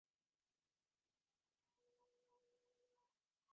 হ্যাঁ, ট্যাক্সিতে Alan Rubin এবং তাঁর স্ত্রী ছিল।